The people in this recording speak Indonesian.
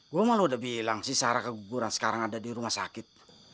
gue malah udah bilang sih sarah keguguran sekarang ada di rumah sakit